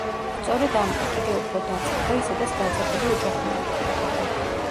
სწორედ ამან, კიდევ უფრო დაძაბა, ისედაც დაძაბული ოჯახური ურთიერთობა.